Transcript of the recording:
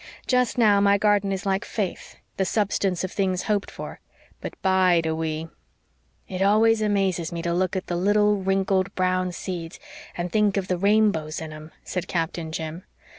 Just now my garden is like faith the substance of things hoped for. But bide a wee." "It always amazes me to look at the little, wrinkled brown seeds and think of the rainbows in 'em," said Captain Jim.